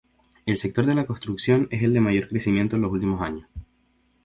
El sector de la construcción es el de mayor crecimiento en los últimos años.